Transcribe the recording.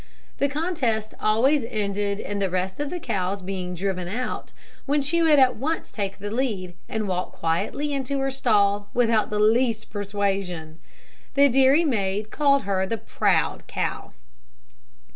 The contest always ended in the rest of the cows being driven out; when she would at once take the lead, and walk quietly into her stall without the least persuasion. The dairy maid called her the Proud Cow.